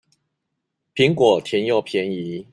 蘋果甜又便宜